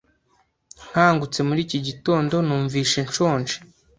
Nkangutse muri iki gitondo, numvise nshonje.